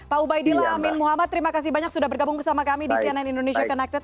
pak ubaidillah amin muhammad terima kasih banyak sudah bergabung bersama kami di cnn indonesia connected